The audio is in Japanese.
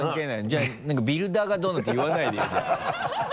じゃあ何か「ビルダーがどうの」て言わないでよじゃあ。